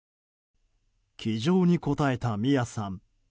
気丈に答えたミアさん。